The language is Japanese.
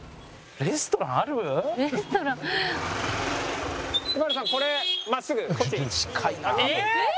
レストラン。ええーっ！？